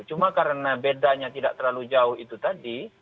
cuma karena bedanya tidak terlalu jauh itu tadi